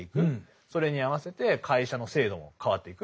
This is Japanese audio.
それに合わせて会社の制度も変わっていく。